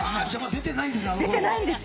出てないんですよ。